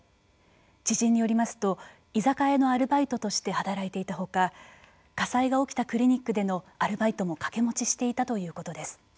知人によりますと居酒屋のアルバイトとして働いていたほか火災が起きたクリニックでのアルバイトも掛け持ちしていたということです。